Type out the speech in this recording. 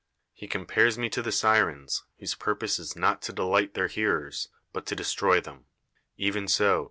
He C()iii])ares nie to the Sirens, whose ])uri)os(' is not to delight tluMr hearers, but to d'.'sti'oy tlicni. Even so.